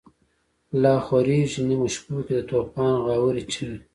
لاخوریږی نیمو شپو کی، دتوفان غاوری چیغی